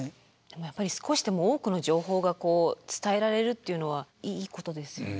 少しでも多くの情報が伝えられるっていうのはいいことですよね。